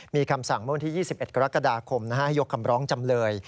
มีคำสั่งเมื่อวันที่๒๑กรกฎาคมให้ยกคำร้องจำเลย